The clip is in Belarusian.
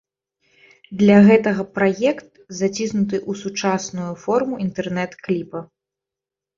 Для гэтага праект заціснуты ў сучасную форму інтэрнэт-кліпа.